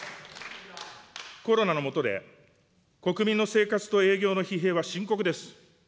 コロナの下で、国民の生活と営業の疲弊は深刻です。